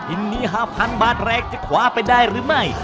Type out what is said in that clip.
อินนี้๕๐๐๐บาทแรงจะคว้าไปได้หรือไม่